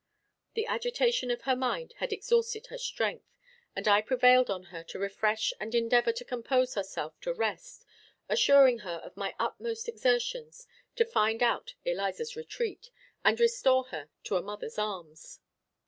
The agitation of her mind had exhausted her strength, and I prevailed on her to refresh and endeavor to compose herself to rest, assuring her of my utmost exertions to find out Eliza's retreat, and restore her to a mother's arms.